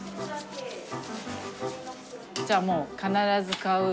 じゃあもう必ず買う。